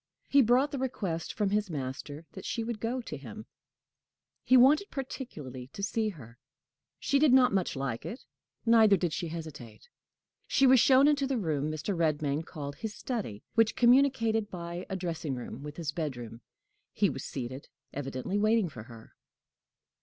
He brought the request from his master that she would go to him; he wanted particularly to see her. She did not much like it, neither did she hesitate. She was shown into the room Mr. Redmain called his study, which communicated by a dressing room with his bedroom. He was seated, evidently waiting for her.